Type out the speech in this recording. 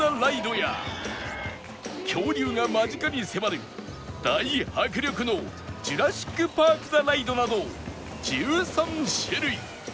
恐竜が間近に迫る大迫力のジュラシック・パーク・ザ・ライドなど１３種類